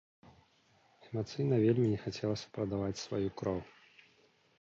Эмацыйна вельмі не хацелася прадаваць сваю кроў.